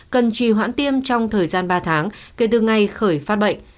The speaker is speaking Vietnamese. cần trì hoãn tiêm trong thời gian ba tháng kể từ ngày khởi phát bệnh